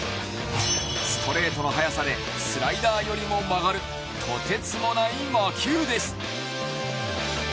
ストレートの速さでスライダーよりも曲がるとてつもない魔球です。